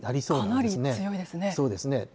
そうですね。